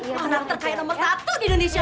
oh naktar kaya nomor satu di indonesia